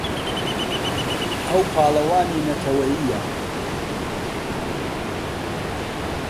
ئەو پاڵەوانی نەتەوەیییە.